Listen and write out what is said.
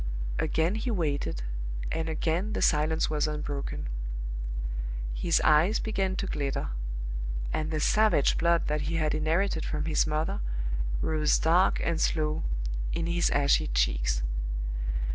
Again he waited, and again the silence was unbroken. His eyes began to glitter; and the savage blood that he had inherited from his mother rose dark and slow in his ashy cheeks.